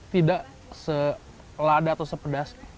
tidak selada atau sepedas